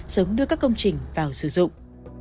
sớm đưa các công trình vào sử dụng